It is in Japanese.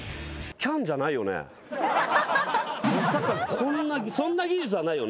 まさかそんな技術はないよね？